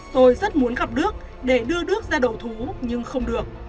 tôi rất muốn gặp đức để đưa nước ra đầu thú nhưng không được